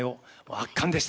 圧巻でした。